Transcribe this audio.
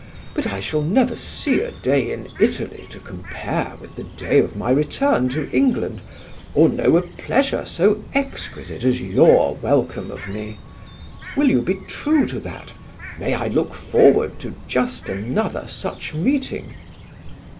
But I shall never see a day in Italy to compare with the day of my return to England, or know a pleasure so exquisite as your welcome of me. Will you be true to that? May I look forward to just another such meeting?"